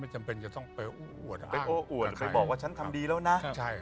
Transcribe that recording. จำเป็นจะต้องไปโอ้อวดอ่ะไปโอ้อวดไปบอกว่าฉันทำดีแล้วนะใช่